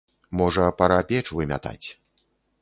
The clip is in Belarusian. Можа, пара печ вымятаць.